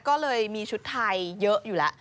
ก็เลยมีชุดไทยเยอะอยู่แล้ว